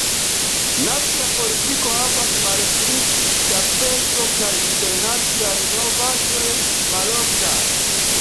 Nacia politiko havas malpli da pezo kaj internaciaj novaĵoj maloftas.